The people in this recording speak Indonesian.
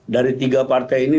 dari tiga partai ini